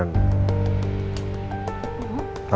aku ketemu sama al dan temannya